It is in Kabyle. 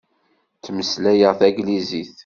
Ttmeslayeɣ taglizit.